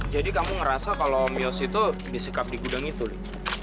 jadi kamu ngerasa kalau mios itu disikap di gudang itu li